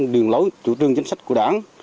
đường lối chủ trương chính sách của đảng